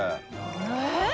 えっ！